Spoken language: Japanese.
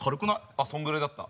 あっそのぐらいだった。